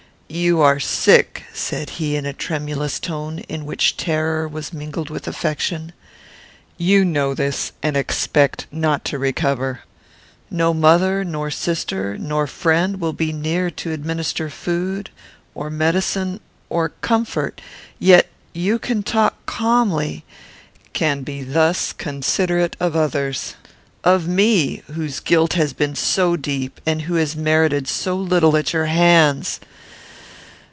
"You are sick," said he, in a tremulous tone, in which terror was mingled with affection. "You know this, and expect not to recover. No mother, nor sister, nor friend, will be near to administer food, or medicine, or comfort; yet you can talk calmly; can be thus considerate of others of me; whose guilt has been so deep, and who has merited so little at your hands!